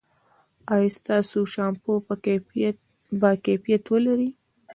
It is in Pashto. ایا ستاسو شامپو به کیفیت ولري؟